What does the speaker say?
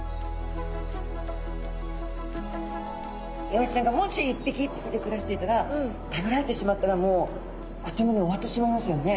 イワシちゃんがもし一匹一匹で暮らしていたら食べられてしまったらもうあっという間に終わってしまいますよね。